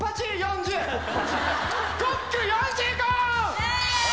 イェーイ！